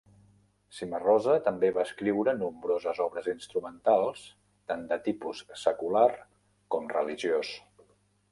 Cimarosa també va escriure nombroses obres instrumentals, tant de tipus secular com religiós.